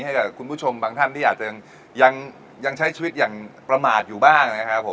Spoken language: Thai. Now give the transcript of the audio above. ให้กับคุณผู้ชมบางท่านที่อาจจะยังใช้ชีวิตอย่างประมาทอยู่บ้างนะครับผม